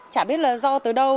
chả biết là do tới đâu